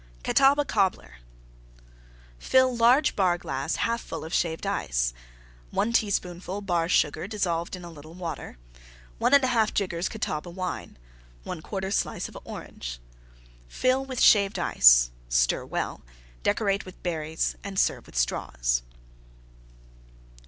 CATAWBA COBBLER Fill large Bar glass 1/2 full of Shaved Ice. 1 teaspoonful Bar Sugar dissolved in a little Water. 1 1/2 jiggers Catawba Wine. 1/4 slice of Orange. Fill with Shaved Ice; stir well; decorate with Berries and serve with Straws.